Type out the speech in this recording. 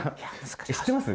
知ってます？